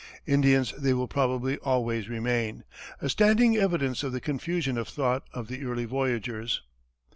Indians they will probably always remain, a standing evidence of the confusion of thought of the early voyagers.